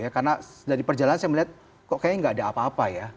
karena dari perjalanan saya melihat kok kayaknya nggak ada apa apa ya